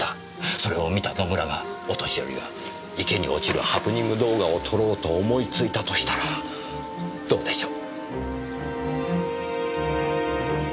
それを見た野村がお年寄りが池に落ちるハプニング動画を撮ろうと思いついたとしたらどうでしょう。